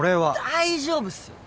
大丈夫っすよ！